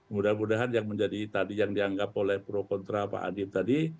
mudah mudahan yang menjadi tadi yang dianggap oleh pro kontra pak adip tadi